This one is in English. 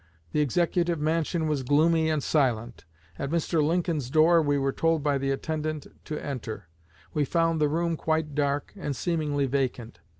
The Executive Mansion was gloomy and silent. At Mr. Lincoln's door we were told by the attendant to enter. We found the room quite dark, and seemingly vacant.